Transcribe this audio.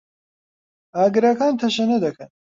ئاگرەکان تەشەنە دەکەن.